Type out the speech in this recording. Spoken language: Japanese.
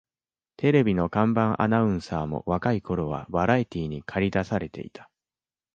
テレビの看板アナウンサーも若い頃はバラエティーにかり出されていた